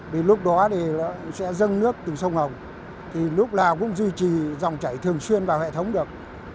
vì lúc đó thì sẽ dâng nước từ sông hồng thì lúc nào cũng duy trì dòng chảy thường xuyên vào hệ thống được